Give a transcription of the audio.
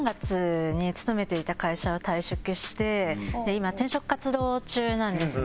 今転職活動中なんですね。